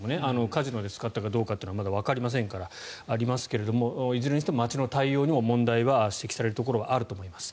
カジノで使ったかどうかはまだわかりませんからいずれにしても町の対応にも問題は指摘されるところがあると思います。